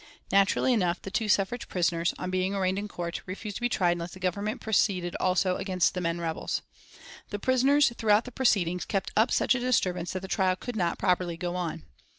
Naturally enough the two suffrage prisoners, on being arraigned in court, refused to be tried unless the Government proceeded also against the men rebels. The prisoners throughout the proceedings kept up such a disturbance that the trial could not properly go on.